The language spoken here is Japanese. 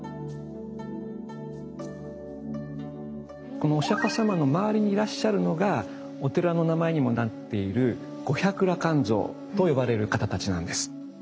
このお釈様の周りにいらっしゃるのがお寺の名前にもなっている「五百羅漢像」と呼ばれる方たちなんです。